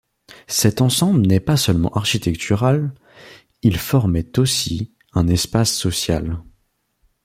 Cet ensemble n'est pas seulement architectural, il formait aussi un espace social.